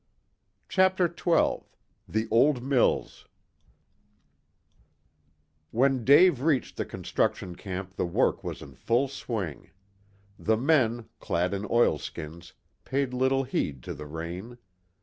CHAPTER XII THE OLD MILLS When Dave reached the construction camp the work was in full swing. The men, clad in oilskins, paid little heed to the rain.